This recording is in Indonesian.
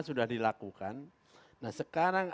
sudah dilakukan nah sekarang